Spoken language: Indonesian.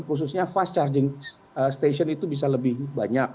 khususnya fast charging station itu bisa lebih banyak